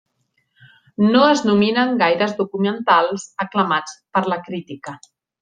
No es nominen gaires documentals aclamats per la crítica.